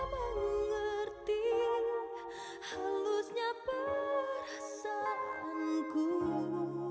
kau goreskan keraguan